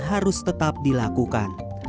harus tetap dilakukan